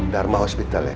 dharma hospital ya